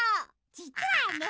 じつはね。